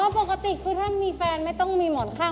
ปกติคือถ้ามีแฟนไม่ต้องมีหมอนข้าง